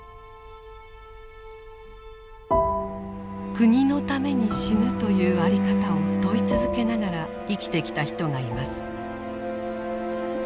国のために死ぬという在り方を問い続けながら生きてきた人がいます。